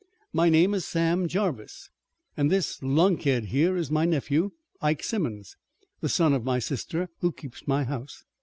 My name is Sam Jarvis, an' this lunkhead here is my nephew, Ike Simmons, the son of my sister, who keeps my house.